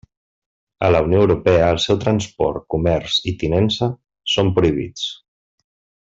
A la Unió Europea el seu transport, comerç i tinença són prohibits.